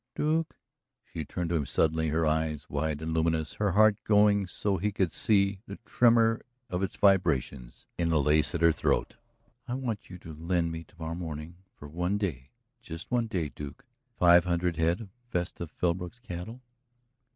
"Duke" she turned to him suddenly, her eyes wide and luminous, her heart going so he could see the tremor of its vibrations in the lace at her throat "I want you to lend me tomorrow morning, for one day, just one day, Duke five hundred head of Vesta Philbrook's cattle."